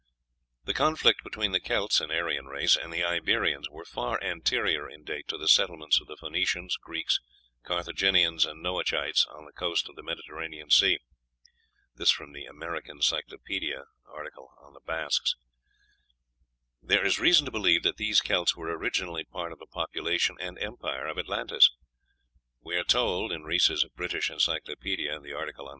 "The conflicts between the Kelts (an Aryan race) and the Iberians were far anterior in date to the settlements of the Phoenicians, Greeks, Carthaginians, and Noachites on the coasts of the Mediterranean Sea." ("American Cyclopædia," art. Basques.) There is reason to believe that these Kelts were originally part of the population and Empire of Atlantis. We are told (Rees's "British Encyclopædia," art.